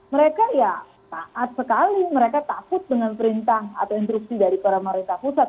mereka ya taat sekali mereka takut dengan perintah atau instruksi dari pemerintah pusat